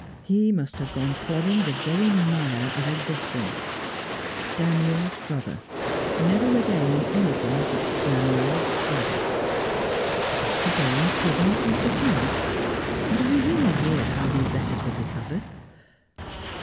He must have gone plodding the very mire of existence Daniel's brother, never again anything but Daniel's brother. Would Dr. Derwent give him a thought of thanks? Would Irene hear how these letters were recovered?